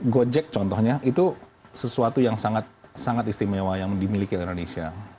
gojek contohnya itu sesuatu yang sangat istimewa yang dimiliki indonesia